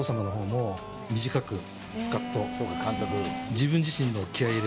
自分自身の気合入れで。